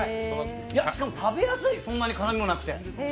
しかも食べやすい、そんなに辛みもなくて。